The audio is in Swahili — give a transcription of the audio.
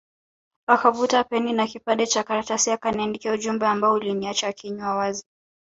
Akavuta peni na kipande Cha karatasi akaniandikia ujumbe ambao uliniacha kinywa wazi